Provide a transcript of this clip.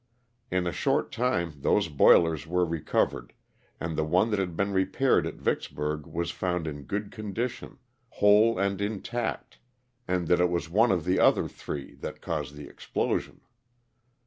In a short time those boilers were recovered and the one that had been repaired at Vicksburg was found in good condition, whole and intact, and that it was one of the other three that caused the explosion.